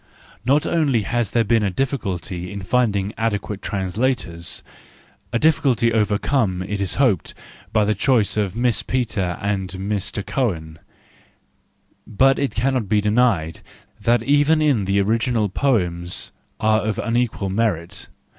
Not only has there been a difficulty in finding adequate translators—a difficulty overcome, it is hoped, by the choice of Miss Petre and Mr Cohn,—but it cannot be denied that even in the original the poems are of unequal merit.